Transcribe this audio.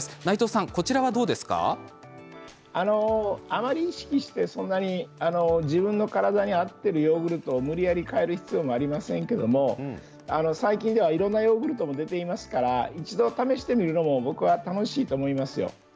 あまり意識してそんなに自分の体に合っているヨーグルトを無理やり変える必要もありませんけれども最近ではいろんなヨーグルトも出ていますから一度試してみるのも僕は楽しいと思いますよ。